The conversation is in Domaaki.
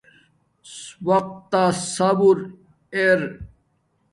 وقت تس صبرر ادہ